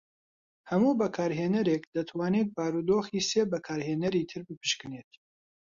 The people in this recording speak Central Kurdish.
هەموو بەکارهێەرێک دەتوانێت بارودۆخی سێ بەکارهێنەری تر بپشکنێت.